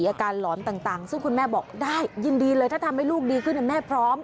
อาการหลอนต่างซึ่งคุณแม่บอกได้ยินดีเลยถ้าทำให้ลูกดีขึ้นแม่พร้อม